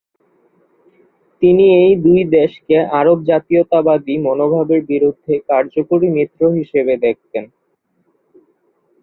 তিনি এই দুই দেশকে আরব জাতীয়তাবাদী মনোভাবের বিরুদ্ধে কার্যকরী মিত্র হিসেবে দেখতেন।